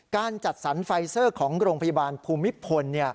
การจัดสรรไฟเซอร์ของโรงพยาบาลภูมิพล